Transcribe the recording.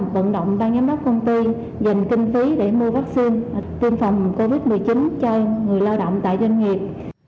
vận động ban giám đốc công ty dành kinh phí để mua vaccine tiêm phòng covid một mươi chín cho người lao động tại doanh nghiệp